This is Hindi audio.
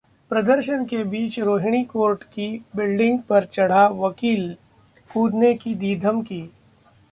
प्रदर्शन के बीच रोहिणी कोर्ट की बिल्डिंग पर चढ़ा वकील, कूदने की दी धमकी